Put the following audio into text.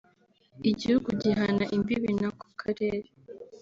igihugu gihana imbibi n’ako karere